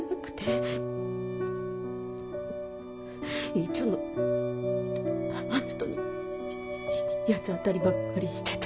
いつも篤人に八つ当たりばっかりしてて。